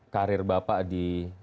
karir bapak di